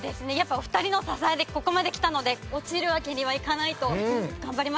お二人の支えでここまで来たので落ちるわけにはいかないと頑張りました。